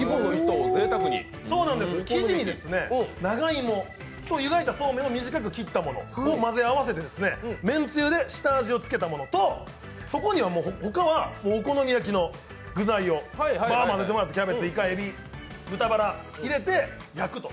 生地に長いもとゆがいたそうめんを短く切ったものを混ぜ合わせてめんつゆで下味をつけたものとそこに他はお好み焼きの具材をキャベツ、いか、えび、豚バラを入れて焼くと。